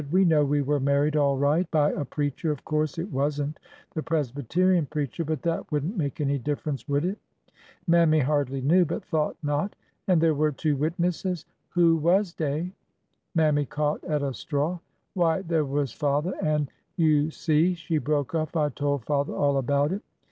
We know we were married all right— by a preacher — of course it was n't the Presbyterian preacher, but that would n't make any difference, would it ? Mammy hardly knew, but thought not. And there were two witnesses." '' Who was dey ?" Mammy caught at a straw. Why, there was father and — You see," she broke off, I told father all about it.